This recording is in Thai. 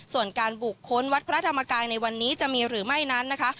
ส่วนการบุกค้นวัดพระธรรมกายในวันนี้จะมีหรือไม่นั้นนะคะ